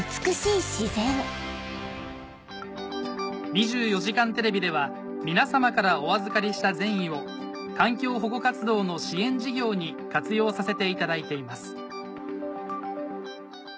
『２４時間テレビ』では皆さまからお預かりした善意を環境保護活動の支援事業に活用させていただいています